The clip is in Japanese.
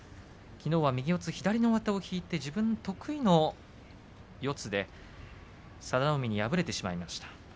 きのうは右四つ左の上手を引いて自分得意の四つで佐田の海に敗れてしまいました。